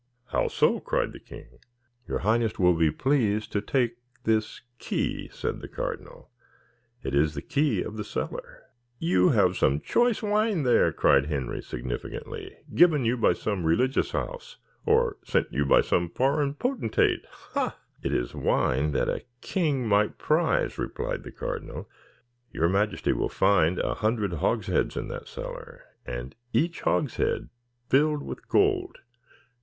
"How so?" cried the king. "Your highness will be pleased to take this key," said the cardinal; "it is the key of the cellar." "You have some choice wine there," cried Henry significantly; "given you by some religious house, or sent you by some foreign potentate, ha!" "It is wine that a king might prize," replied the cardinal. "Your majesty will find a hundred hogsheads in that cellar, and each hogshead filled with gold."